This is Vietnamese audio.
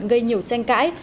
gây nhiều tranh cãi